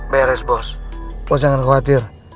beres bos jangan khawatir